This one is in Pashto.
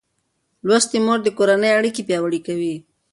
لوستې مور د کورنۍ اړیکې پیاوړې کوي.